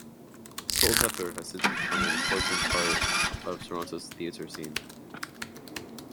Soulpepper has since become an important part of Toronto's theatre scene.